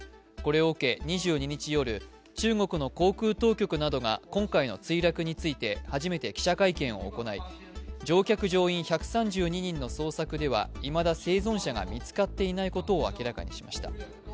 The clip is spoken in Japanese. これを受け２２日夜中国の航空当局などが今回の墜落について初めて記者会見を行い、乗客・乗員１３２人の捜索では今だ生存者が見つかっていないことを明らかにしました。